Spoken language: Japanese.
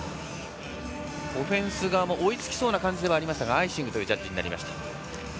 オフェンス側も追いつきそうな感じではありましたがアイシングというジャッジ。